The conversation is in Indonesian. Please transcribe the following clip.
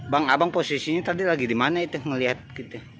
bang abang posisinya tadi lagi dimana itu ngeliat gitu